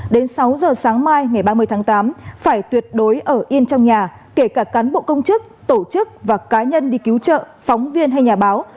đến sáu giờ sáng mai ngày ba mươi tháng tám phải tuyệt đối ở yên trong nhà kể cả cán bộ công chức tổ chức và cá nhân đi cứu trợ phóng viên hay nhà báo